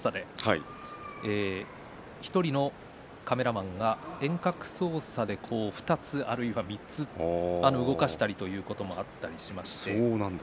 １人のカメラマンが遠隔操作で２つあるいは３つ動かしているということもあります。